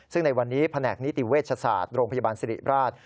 ซึ่งในวันนี้แผนกนิติเวชศาสตร์โรงพยาบาลสิริราช